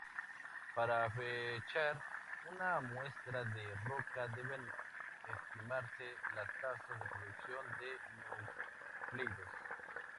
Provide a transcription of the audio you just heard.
Para fechar una muestra de roca deben estimarse las tasas de producción de nucleidos.